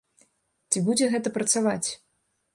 Ці будзе гэта працаваць?